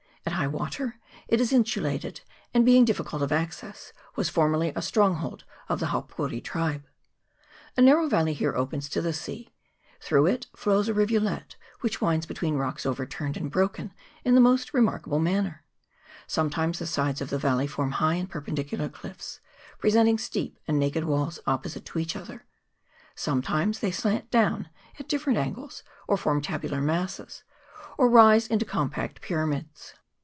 At high water it is insulated, and, being difficult of access, was formerly a stronghold of the Haupouri tribe. A narrow valley here opens to the sea ; through it flows a rivulet, which winds between rocks overturned and broken in the most remarkable manner. Sometimes the sides of the valley form high and perpendicular cliffs, present ing steep and naked walls opposite to each other ; sometimes they slant down at different angles, or form tabular masses, or rise into compact pyra mids.